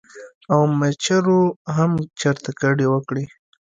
او مچرو هم چرته کډې وکړې ـ